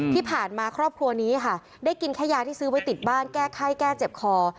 ที่ผ่านมาครอบครัวนี้ค่ะได้กินแค่ยาที่ซื้อไว้ติดบ้านแก้ไข้แก้เจ็บคอ